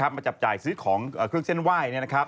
มาจับจ่ายซื้อของเครื่องเส้นไหว้